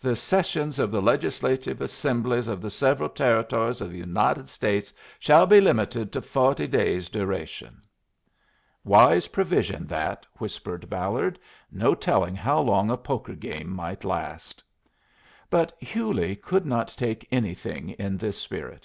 The sessions of the Legislative Assemblies of the several Territories of the United States shall be limited to forty days' duration.'" "Wise provision that," whispered Ballard. "No telling how long a poker game might last." But Hewley could not take anything in this spirit.